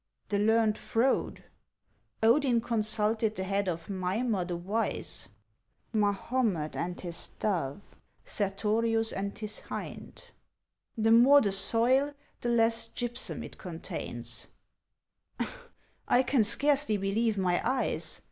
— The learned Frode. — Odin consulted the head of Mimer, the wise. — (Mahomet and his dove, Sertorius and his hind.) — The more the soil — the less gypsum it contains —"" I can scarcely believe my eyes